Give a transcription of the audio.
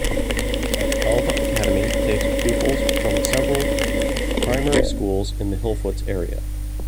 Alva Academy takes pupils from several primary schools in the Hillfoots area.